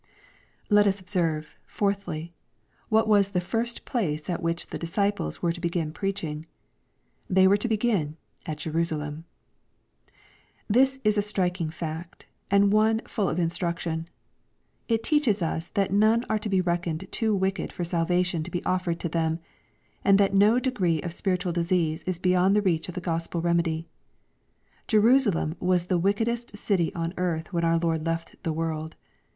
Let us observe, fourthly, what was the first place at which the disciples were to begin preaching. They were to begin "at Jerusalem." This is a striking fact, and one full of instruction. It teaches us that none are to be reckoned too wicked for salvation to be offered to them, and that no degree of spiritual disease is beyond the reach of the Q ospel remedy. Jerusalem was the wickedest city on earth when our Lord left the world.